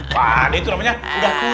pak d itu namanya udah puluh